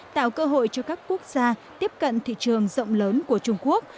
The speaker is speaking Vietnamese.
tạo cơ hội cho các quốc gia tiếp cận thị trường rộng lớn của trung quốc